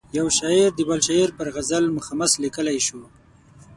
یو شاعر د بل شاعر پر غزل مخمس لیکلای شو.